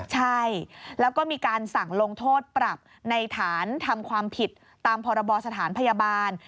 ใช่แล้วก็มีการสั่งลงโทษปรับในฐานทำความผิดตามพรบสถานพยาบาล